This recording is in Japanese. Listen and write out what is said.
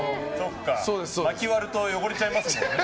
まき割ると汚れちゃいますもんね。